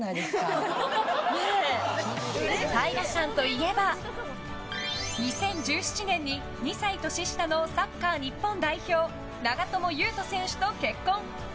平さんといえば、２０１７年に２歳年下のサッカー日本代表長友佑都選手と結婚。